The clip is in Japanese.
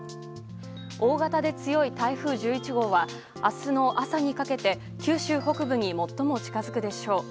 大型で強い台風１１号は明日の朝にかけて九州北部に最も近づくでしょう。